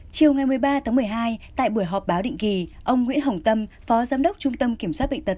chiều ngày một mươi ba tháng một mươi hai tại buổi họp báo định kỳ ông nguyễn hồng tâm phó giám đốc trung tâm kiểm soát bệnh tật